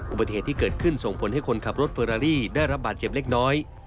อุบัติเหตุที่เกิดขึ้นส่งผลให้คนขับรถเฟอรารี่ได้รับบาดเจ็บเล็กน้อย